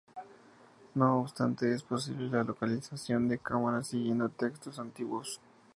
No obstante es posible la localización de Cámaras siguiendo textos antiguos.